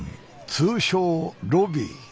通称ロビー。